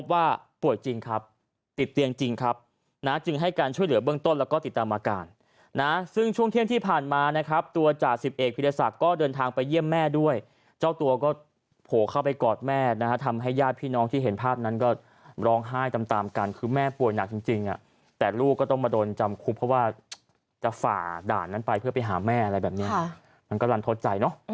ว่าป่วยจริงครับติดเตียงจริงครับนะจึงให้การช่วยเหลือเบื้องต้นแล้วก็ติดตามอาการนะซึ่งช่วงเที่ยงที่ผ่านมานะครับตัวจ่าสิบเอกผิดศักดิ์ก็เดินทางไปเยี่ยมแม่ด้วยเจ้าตัวก็โผเข้าไปกอดแม่นะทำให้ญาติพี่น้องที่เห็นภาพนั้นก็ร้องไห้ตามกันคือแม่ป่วยหนักจริงอ่ะแต่ลูกก็ต้องมาโดนจ